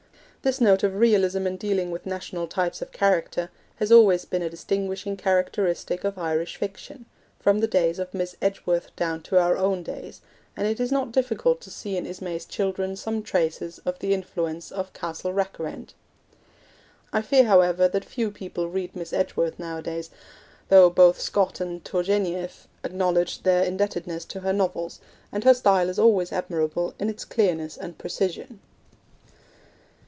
This note of realism in dealing with national types of character has always been a distinguishing characteristic of Irish fiction, from the days of Miss Edgeworth down to our own days, and it is not difficult to see in Ismay's Children some traces of the influence of Castle Rack rent. I fear, however, that few people read Miss Edgeworth nowadays, though both Scott and Tourgenieff acknowledged their indebtedness to her novels, and her style is always admirable in its clearness and precision.